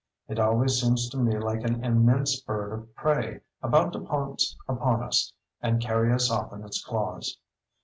It always seems to me like an immense bird of prey about to pounce upon us and carry us off in its claws.